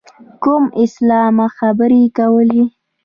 کوم اسلامه خبرې کوې.